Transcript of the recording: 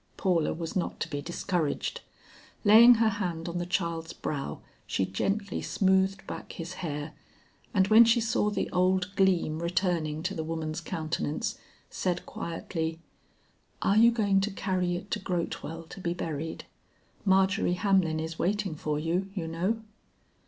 Paula was not to be discouraged. Laying her hand on the child's brow, she gently smoothed back his hair, and when she saw the old gleam returning to the woman's countenance, said quietly, "Are you going to carry it to Grotewell to be buried? Margery Hamlin is waiting for you, you know?"